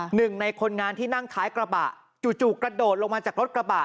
หนึ่งในคนงานที่นั่งท้ายกระบะจู่กระโดดลงมาจากรถกระบะ